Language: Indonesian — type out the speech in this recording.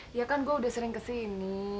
dia kan gue udah sering kesini